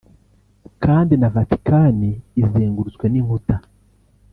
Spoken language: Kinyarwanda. kandi na Vatican izengurutswe n’inkuta